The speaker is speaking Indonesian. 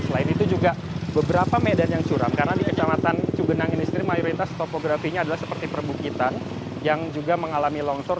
selain itu juga beberapa medan yang curam karena di kecamatan cugenang ini sendiri mayoritas topografinya adalah seperti perbukitan yang juga mengalami longsor